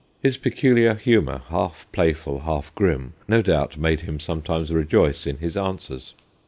His peculiar humour, half play ful, half grim, no doubt made him sometimes rejoice in his answers.